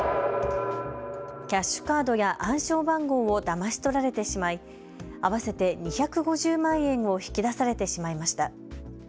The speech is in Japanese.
キャッシュカードや暗証番号をだまし取られてしまい、合わせて２５０万円を引き出されてしまいました。